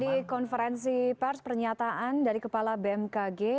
ya itu tadi konferensi pers pernyataan dari kepala bmkg